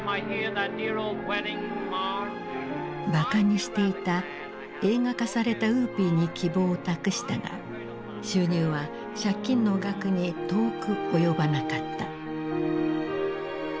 ばかにしていた映画化された「ウーピー」に希望を託したが収入は借金の額に遠く及ばなかった。